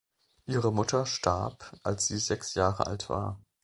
Ihre Mutter starb als sie sechs Jahre alt war.